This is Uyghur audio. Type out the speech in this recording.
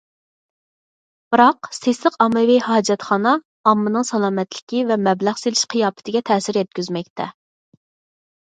بىراق« سېسىق ئاممىۋى ھاجەتخانا» ئاممىنىڭ سالامەتلىكى ۋە مەبلەغ سېلىش قىياپىتىگە تەسىر يەتكۈزمەكتە.